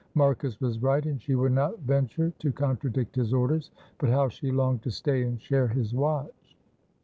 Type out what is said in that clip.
Marcus was right, and she would not venture to contradict his orders, but how she longed to stay and share his watch.